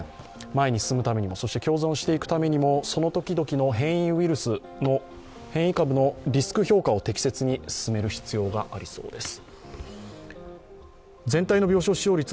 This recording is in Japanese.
前に進むためにも、そして共存していくためにも、そのときどきの変異株のリスク評価を適切に進める必要がありそうです。